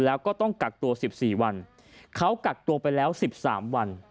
แล้วก็ต้องกักตัว๑๔วันเขากักตัวไปแล้ว๑๓วัน